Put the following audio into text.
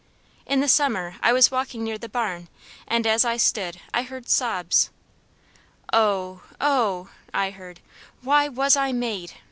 In the summer I was walking near the barn, and as I stood I heard sobs. 'Oh! oh!' I heard, 'why was I made?